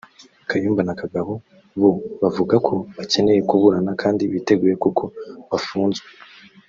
Kayumba na Kagabo bo bavugaga ko bakeneye kuburana kandi biteguye kuko bafunzwe